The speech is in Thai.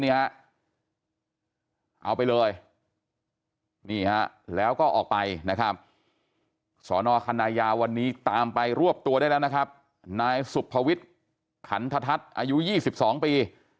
เอาไปเลยแล้วก็ออกไปนะครับสอนุอคันนายาวันนี้ตามไปรวบตัวได้แล้วนะครับนายสุภวิษภัณฑ์ธรรมทัศน์อายุ๒๒ปี